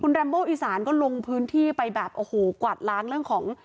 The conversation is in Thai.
แรมโบอีสานก็ลงพื้นที่ไปแบบโอ้โหกวาดล้างเรื่องของ